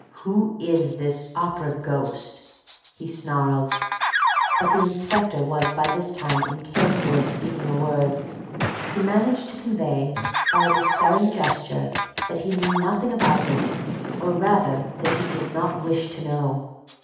"Who is this 'Opera ghost?'" he snarled. But the inspector was by this time incapable of speaking a word. He managed to convey, by a despairing gesture, that he knew nothing about it, or rather that he did not wish to know.